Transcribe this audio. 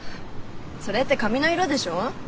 それって髪の色でしょ？